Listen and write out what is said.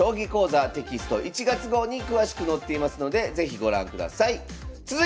１月号に詳しく載っていますので是非ご覧ください。